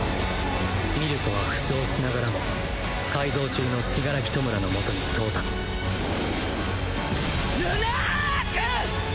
ミルコは負傷しながらも改造中の死柄木弔の元に到達ルナ・アーク！